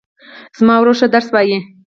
زما ورور ښه درس وایي